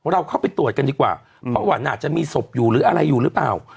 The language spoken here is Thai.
เราเข้าไปตรวจกันดีกว่าเพราะว่าน่าจะมีศพอยู่หรืออะไรอยู่หรือเปล่า